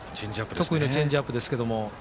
得意のチェンジアップですけど。